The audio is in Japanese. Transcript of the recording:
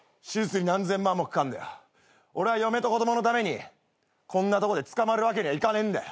俺は嫁と子供のためにこんなとこで捕まるわけにはいかねえんだよ。